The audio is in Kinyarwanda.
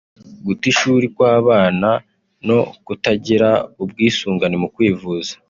guta ishuri kw’abana no kutagira ubwisungane mu kwivuza